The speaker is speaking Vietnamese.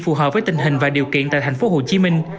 phù hợp với tình hình và điều kiện tại tp hcm